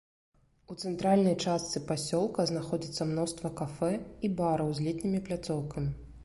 У цэнтральнай частцы пасёлка знаходзіцца мноства кафэ і бараў з летнімі пляцоўкамі.